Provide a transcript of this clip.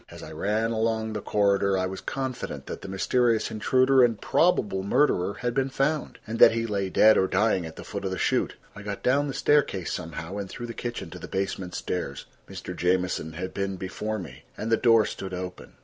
As I ran along the corridor I was confident that the mysterious intruder and probable murderer had been found, and that he lay dead or dying at the foot of the chute. I got down the staircase somehow, and through the kitchen to the basement stairs. Mr. Jamieson had been before me, and the door stood open.